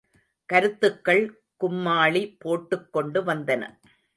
கருத்துக்கள் கும்மாளி போட்டுக் கொண்டு வந்தன.